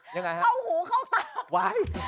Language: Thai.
ยังไงฮะว้ายเอาหูเข้าเตา